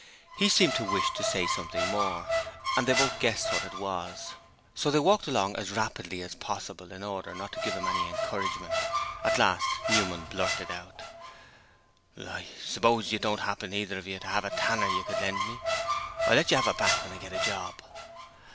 He seemed to wish to say something more, and they both guessed what it was. So they walked along as rapidly as possible in order not to give him any encouragement. At last Newman blurted out: 'I suppose you don't happen either of you to have a tanner you could lend me? I'll let you have it back when I get a job.'